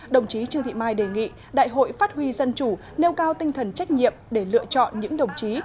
đồng chí trương thị mai đề nghị đại hội phát huy dân chủ nêu cao tinh thần trách nhiệm để lựa chọn những đồng chí